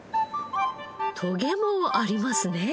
トゲもありますね。